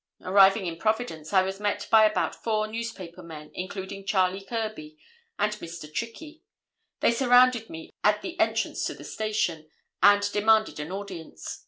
Arriving in Providence, I was met by about four newspaper men, including Charley Kirby and Mr. Trickey. They surrounded me at the entrance to the station, and demanded an audience.